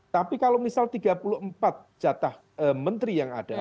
tapi kalau misal tiga puluh empat jatah menteri yang ada